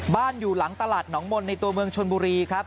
อยู่หลังตลาดหนองมนต์ในตัวเมืองชนบุรีครับ